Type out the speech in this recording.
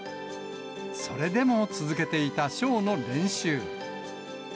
それでも続けていたショーの練習。